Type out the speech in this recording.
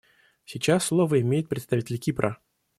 Сейчас слово имеет представитель Кипра.